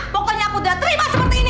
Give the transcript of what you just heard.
pokoknya aku udah terima seperti ini